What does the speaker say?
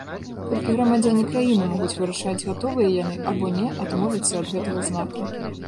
Толькі грамадзяне краіны могуць вырашаць, гатовыя яны або не адмовіцца ад гэтага знака.